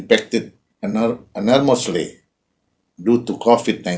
terkenal dengan kecemasan karena pandemi covid sembilan belas